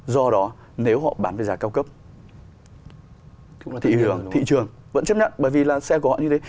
do đó nếu họ bán với giá cao cấp thị trường vẫn chấp nhận bởi vì là xe của họ như thế